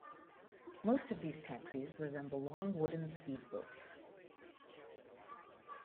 Most of these taxis resemble long wooden speed boats.